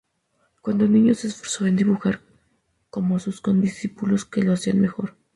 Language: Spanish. Cuando niño se esforzó en dibujar como sus condiscípulos, que lo hacían mejor.